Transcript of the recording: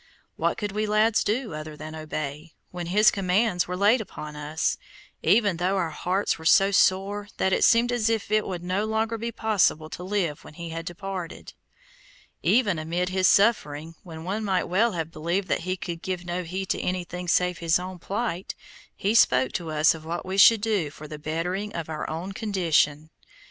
What could we lads do other than obey, when his commands were laid upon us, even though our hearts were so sore that it seemed as if it would no longer be possible to live when he had departed? Even amid his suffering, when one might well have believed that he could give no heed to anything save his own plight, he spoke to us of what we should do for the bettering of our own condition.